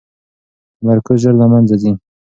تمرکز ژر له منځه ځي.